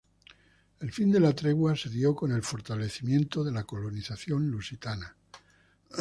El fin de la tregua se dio con el fortalecimiento de la colonización lusitana.